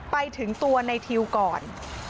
ไปถึงตัวในทิวก่อน